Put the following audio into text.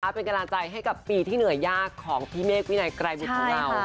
เป็นกำลังใจให้กับปีที่เหนื่อยยากของพี่เมฆวินัยไกรบุตรของเรา